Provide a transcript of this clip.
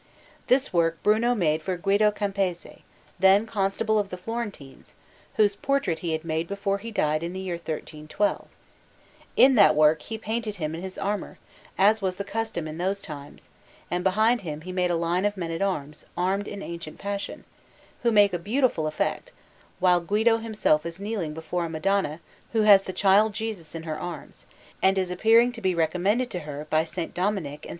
This work Bruno made for Guido Campese, then Constable of the Florentines, whose portrait he had made before he died in the year 1312; in that work he painted him in his armour, as was the custom in those times, and behind him he made a line of men at arms, armed in ancient fashion, who make a beautiful effect, while Guido himself is kneeling before a Madonna who has the Child Jesus in her arms, and is appearing to be recommended to her by S. Dominic and S.